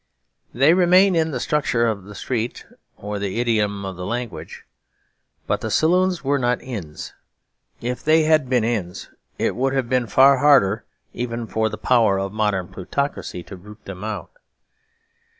They remain in the structure of the street and the idiom of the language. But the saloons were not inns. If they had been inns, it would have been far harder even for the power of modern plutocracy to root them out.